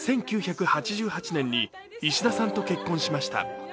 １９８８年に石田さんと結婚しました。